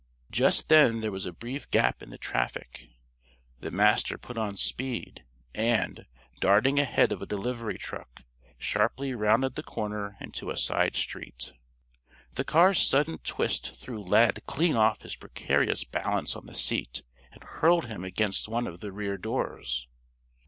Just then there was a brief gap in the traffic. The Master put on speed, and, darting ahead of a delivery truck, sharply rounded the corner into a side street. The car's sudden twist threw Lad clean off his precarious balance on the seat, and hurled him against one of the rear doors.